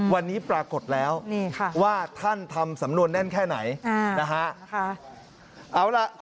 วันนี้ปรากฏแล้วว่าท่านทำสำนวนแน่นแค่ไหนนะฮะ